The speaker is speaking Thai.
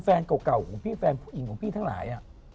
แฟนเก่าของพี่แฟนผู้หญิงของพี่ทั้งหลาย